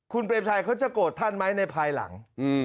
คุณเปรมชัยเขาจะโกรธท่านไหมในภายหลัง